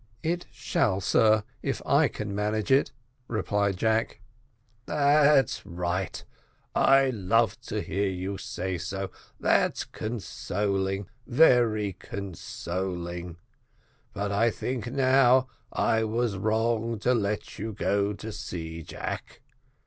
"It shall, sir, if I can manage it," replied Jack. "That's right, I love to hear you say so that's consoling, very consoling but I think now I was wrong to let you go to sea, Jack."